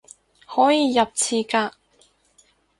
可以入廁格